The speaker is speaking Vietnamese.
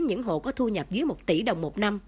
những hộ có thu nhập dưới một tỷ đồng một năm